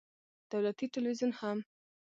دولتي ټلویزیون هم